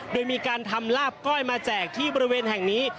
โดยมีการทำลาบก้อยมาแจกที่บริเวณแห่งนี้